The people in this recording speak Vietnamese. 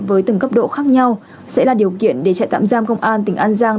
với từng cấp độ khác nhau sẽ là điều kiện để trại tạm giam công an tỉnh an giang